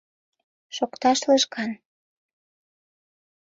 Шокташ лыжган!..